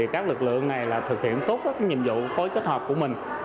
các lực lượng này thực hiện tốt các nhiệm vụ phối kết hợp của mình